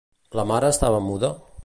La mare estava muda?